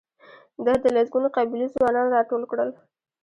ده د لسګونو قبیلو ځوانان راټول کړل.